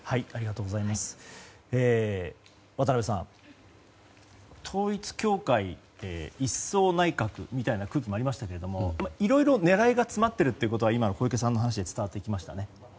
渡辺さん統一教会一掃内閣みたいな空気もありますが、いろいろ狙いが詰まっていることは今の小池さんの話で伝わってきましたね。